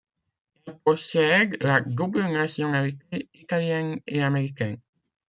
Elle possède la double nationalité italienne et américaine..